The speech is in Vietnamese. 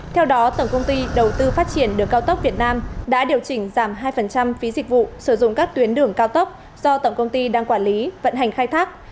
theo đó tổng công ty đầu tư phát triển đường cao tốc việt nam đã điều chỉnh giảm hai phí dịch vụ sử dụng các tuyến đường cao tốc do tổng công ty đang quản lý vận hành khai thác